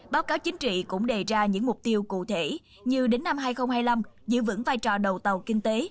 báo cáo chính trị cũng đề ra những mục tiêu cụ thể như đến năm hai nghìn hai mươi năm giữ vững vai trò đầu tàu kinh tế